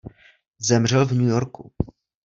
Zemřel v New Yorku.